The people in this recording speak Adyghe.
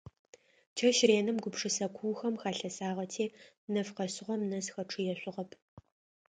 Чэщ реным гупшысэ куухэм халъэсагъэти нэф къэшъыгъом нэс хэчъыешъугъэп.